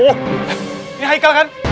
aduh ini haikal kan